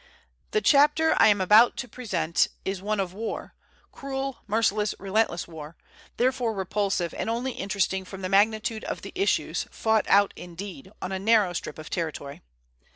The chapter I am about to present is one of war, cruel, merciless, relentless war; therefore repulsive, and only interesting from the magnitude of the issues, fought out, indeed, on a narrow strip of territory.